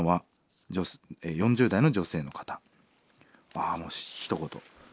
ああもうひと言。